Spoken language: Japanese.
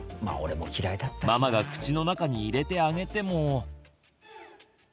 ママが口の中に入れてあげても。